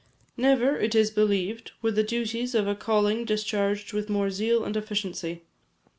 Never, it is believed, were the duties of a calling discharged with more zeal and efficiency.